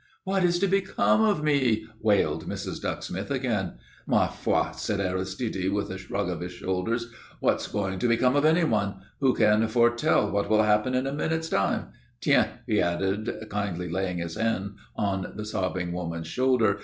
"What is to become of me?" wailed Mrs. Ducksmith again. "Ma foi!" said Aristide, with a shrug of his shoulders. "What's going to become of anyone? Who can foretell what will happen in a minute's time? Tiens!" he added, kindly laying his hand on the sobbing woman's shoulder.